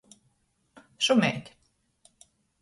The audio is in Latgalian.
Šumeit.